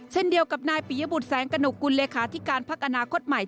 เช่นเดียวกับนายปิยบุตรแสงกระหนกกุลเลขาธิการพักอนาคตใหม่